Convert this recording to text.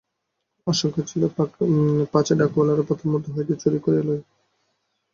আশঙ্কা ছিল, পাছে ডাকওয়ালারা পথের মধ্য হইতে চুরি করিয়া লয়।